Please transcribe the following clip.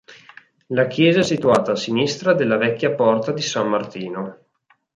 La chiesa è situata a sinistra della vecchia Porta di San Martino.